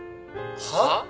はあ！？